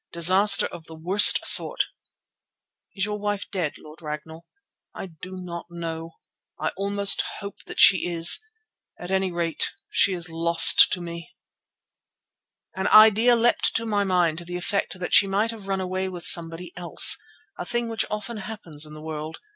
"Disaster of the worst sort." "Is your wife dead, Lord Ragnall?" "I do not know. I almost hope that she is. At any rate she is lost to me." An idea leapt to my mind to the effect that she might have run away with somebody else, a thing which often happens in the world.